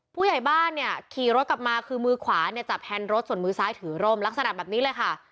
ผู้ใหญ่บ้านเนี่ยขี่รถกลับมาคือมือขวาเนี่ยจับแฮนด์รถส่วนมือซ้ายถือร่มลักษณะแบบนี้เลยค่ะ